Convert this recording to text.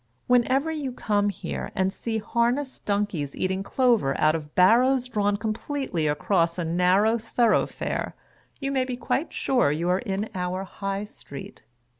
Whenever you come here, and see harnessed donkies eating clover out of barrows drawn completely across a narrow thorough fare, you may be quite sure you are in our High Street.